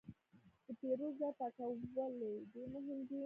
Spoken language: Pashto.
د پیرود ځای پاکوالی ډېر مهم دی.